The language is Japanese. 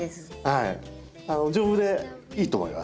はい。